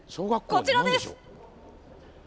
こちらです！